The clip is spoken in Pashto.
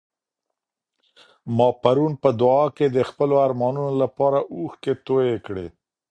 ما پرون په دعا کي د خپلو ارمانونو لپاره اوښکې تویې کړې.